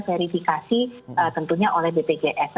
verifikasi tentunya oleh bpjs